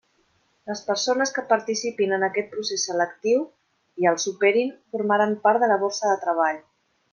Les persones que participin en aquest procés selectiu, i el superin, formaran part de la borsa de treball.